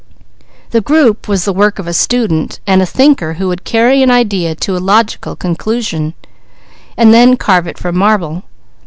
That group was the work of a student and a thinker who could carry an idea to a logical conclusion, and then carve it from marble.